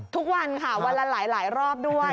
ทุกวันค่ะวันละหลายรอบด้วย